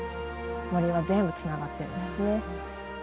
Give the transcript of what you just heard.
森は全部つながってるんですね。